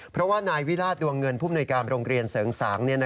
เพราะว่านายวิราชดวงเงินผู้มนุยการโรงเรียนเสริงสาง